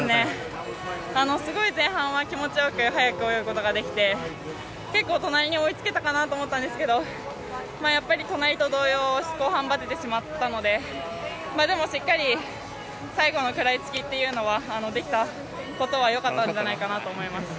すごい前半は気持ち良く速く泳ぐことができて結構、隣に追いつけたかなと思ったんですけどやっぱり隣と同様後半、ばててしまったのででもしっかり最後の食らいつきというのはできたことは良かったんじゃないかなと思います。